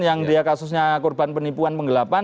yang dia kasusnya korban penipuan penggelapan